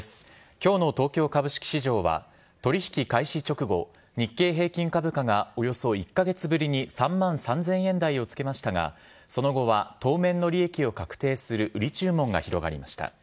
きょうの東京株式市場は、取り引き開始直後、日経平均株価がおよそ１か月ぶりに３万３０００円台をつけましたが、その後は当面の利益を確定する売り注文が広がりました。